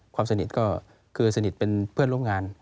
ความสนิทก็คือสนิทเป็นเพื่อนร่วมงาน